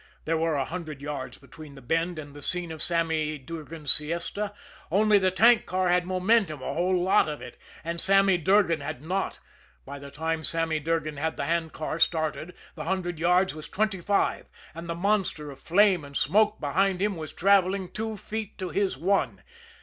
There were a hundred yards between the bend and the scene of Sammy Durgan's siesta only the tank car had momentum, a whole lot of it, and Sammy Durgan had not. By the time Sammy Durgan had the handcar started the hundred yards was twenty five, and the monster of flame and smoke behind him was travelling two feet to his one.